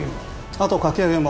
あとかき揚げも。